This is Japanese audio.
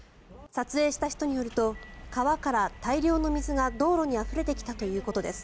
撮影した人によると川から大量の水が道路にあふれてきたということです。